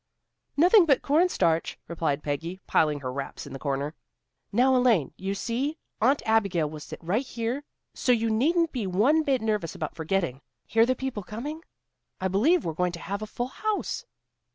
"Nothing but corn starch," replied Peggy, piling her wraps in the corner. "Now, Elaine, you see, Aunt Abigail will sit right here, so you needn't be one bit nervous about forgetting. Hear the people coming. I believe we're going to have a full house."